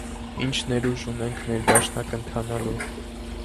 - Ի՞նչ ներուժ ունենք ներդաշնակ ընթանալու: